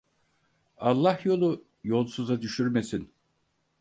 Allah yolu yolsuza düşürmesin